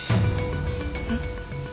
えっ？